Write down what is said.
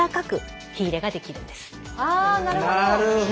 なるほど。